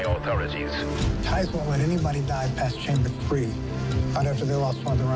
เราจะประสบความว่าพวกเขาได้รับตัวแรกเรียนที่โต๒จากโต๑๓